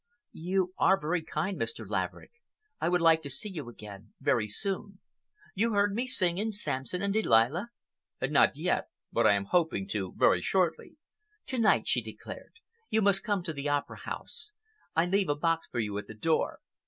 "You are very kind, Mr. Laverick. I would like to see you again very soon. You have heard me sing in Samson and Delilah?" "Not yet, but I am hoping to very shortly." "To night," she declared, "you must come to the Opera House. I leave a box for you at the door.